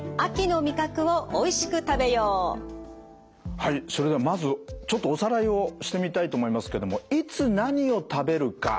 はいそれではまずちょっとおさらいをしてみたいと思いますけどもいつ何を食べるか。